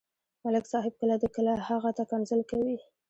ملک صاحب کله دې، کله هغه ته کنځل کوي.